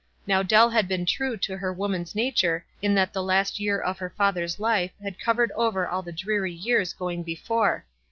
Now Dell had been true to her woman's nature in that the last year of her father's life had covered over all the dreary years going before.